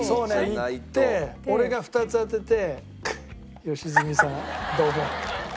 いって俺が２つ当てて良純さんドボン。